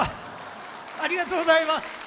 ありがとうございます！